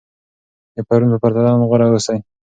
د پرون په پرتله نن غوره اوسئ.